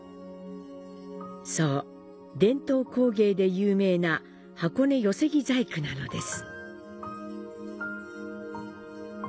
そう、伝統工芸で有名な「箱根寄木細工」なのです。